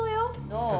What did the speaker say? どう？